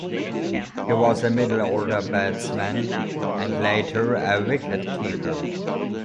He was a middle-order batsman, and later a wicket-keeper.